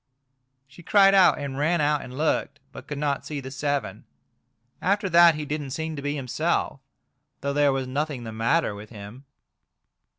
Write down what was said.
She cried out and ran out and looked, but could not see the seven. After that he didn't seem to be himself, though there was nothing the matter with him..